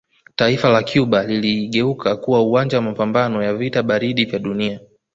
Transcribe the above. Taifa la Cuba liligeuka kuwa uwanja wa mapamabano ya vita baridi vya dunia